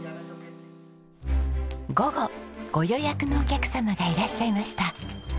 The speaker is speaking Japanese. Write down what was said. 午後ご予約のお客様がいらっしゃいました。